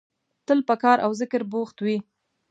تل په کار او ذکر بوخت وي.